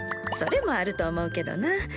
それもあると思うけどな。